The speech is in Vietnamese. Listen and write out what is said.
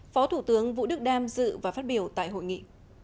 phó thủ tướng vũ đức đam dự và phát biểu tại hội nghị